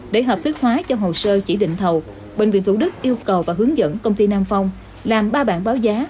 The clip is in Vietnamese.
để hợp thức hóa cho hồ sơ chỉ định thầu bệnh viện thủ đức yêu cầu và hướng dẫn công ty nam phong làm ba bản báo giá